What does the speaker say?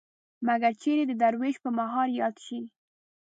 مګر چېرې د دروېش په مهر ياد شي